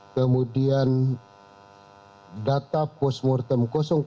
kemudian data postmortem lima